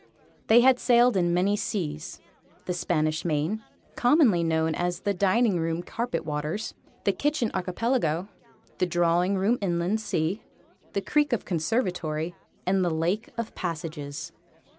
They had sailed in many seas: the Spanish Main commonly known as the Dining room Carpetwaters the Kitchen Archipelago, the Drawing room Inland Sea, the Creek of Conservatory, and the Lake of Passages.